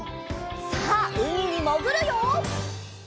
さあうみにもぐるよ！